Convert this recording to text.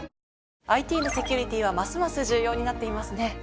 ＩＴのセキュリティーはますます重要になっていますね。